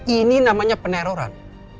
ini namanya peneroran